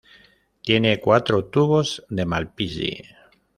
Tiene cuatro tubos de Malpighi.